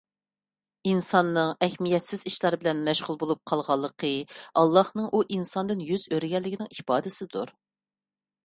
ئىنساننىڭ ئەھمىيەتسىز ئىشلار بىلەن مەشغۇل بولۇپ قالغانلىقى، ئاللاھنىڭ ئۇ ئىنساندىن يۈز ئۆرۈگەنلىكىنىڭ ئىپادىسىدۇر.